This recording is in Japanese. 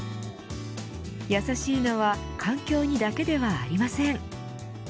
やさしいのは環境にだけではありません。